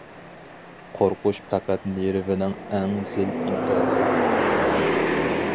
قورقۇش پەقەت نېرۋىنىڭ ئەڭ زىل ئىنكاسى!